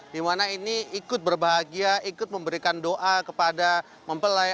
dimana ini ikut berbahagia ikut memberikan doa kepada mempelai